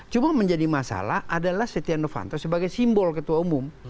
cuma menjadi masalah adalah setia novanto sebagai simbol ketua umum